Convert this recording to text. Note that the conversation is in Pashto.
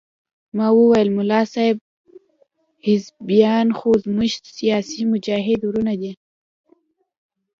ما وويل ملا صاحب حزبيان خو زموږ ستاسې مجاهد ورونه دي.